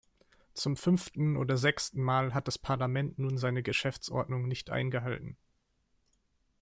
Zum fünften oder sechsten Mal hat das Parlament nun seine Geschäftsordnung nicht eingehalten.